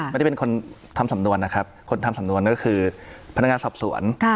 ไม่ได้เป็นคนทำสำนวนนะครับคนทำสำนวนก็คือพนักงานสอบสวน